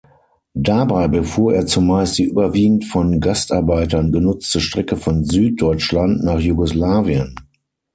Dabei befuhr er zumeist die überwiegend von Gastarbeitern genutzte Strecke von Süddeutschland nach Jugoslawien.